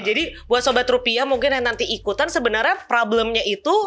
jadi buat sobat rupiah mungkin yang nanti ikutan sebenarnya problemnya itu